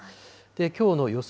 きょうの予想